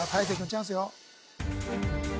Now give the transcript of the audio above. チャンスよ